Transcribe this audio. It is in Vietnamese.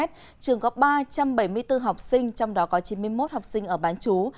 trường có ba trăm bảy mươi bốn học sinh trong đó có chín mươi một học sinh ở bán chú